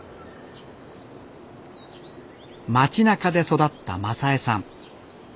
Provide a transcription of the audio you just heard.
街なかで育った雅枝さん。